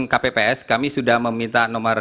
kpps kami sudah meminta nomor